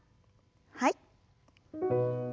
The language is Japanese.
はい。